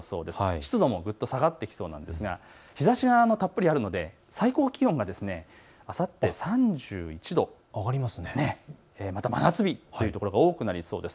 湿度もぐっと下がってきそうなんですが、日ざしもたっぷりあるので最高気温があさって３１度、また真夏日というところが多くなりそうです。